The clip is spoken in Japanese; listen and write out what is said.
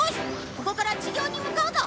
ここから地上に向かうぞ。